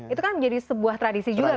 itu akan menjadi sebuah tradisi juga kan